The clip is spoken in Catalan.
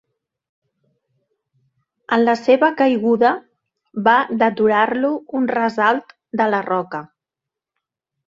En la seva caiguda va deturar-lo un ressalt de la roca.